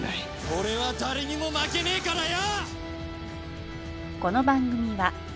俺は誰にも負けねえからよ！